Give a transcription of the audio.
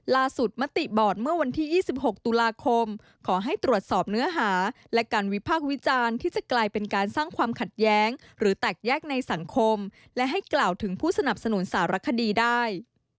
และการวิภาควิจารณ์ที่จะกลายเป็นการสร้างความขัดแย้งหรือแตกแยกในสังคมและให้กล่าวถึงผู้สนับสนุนสารคดีได้